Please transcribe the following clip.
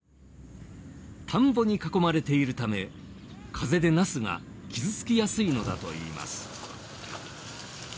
田んぼに囲まれているため風でナスが傷つきやすいのだといいます。